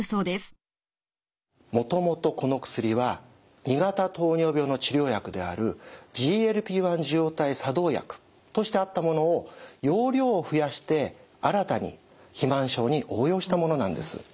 もともとこの薬は２型糖尿病の治療薬であるＧＬＰ−１受容体作動薬としてあったものを用量を増やして新たに肥満症に応用したものなんです。